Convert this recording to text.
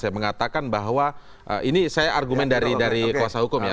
saya mengatakan bahwa ini saya argumen dari kuasa hukum ya